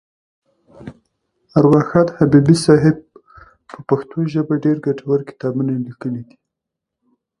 اروا ښاد حبیبي صاحب په پښتو ژبه ډېر ګټور کتابونه لیکلي دي.